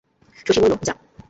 শশী বলিল, যা।